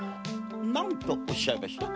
何とおっしゃいました？